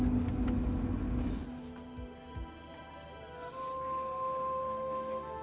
kamu pasti akan memberi yang terbaik buat kamu